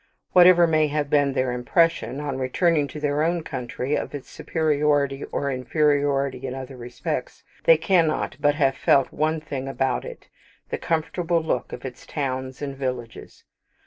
Whatever may have been their impression, on returning to their own country, of its superiority or inferiority in other respects, they cannot but have felt one thing about it the comfortable look of its towns and villages.